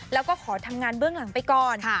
แล้วก็ขอทำงานเบื้องหลังไปก่อน